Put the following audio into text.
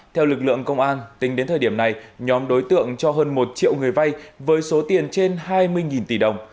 theo lực lượng công an tính đến thời điểm này nhóm đối tượng cho hơn một triệu người vay với số tiền trên hai mươi tỷ đồng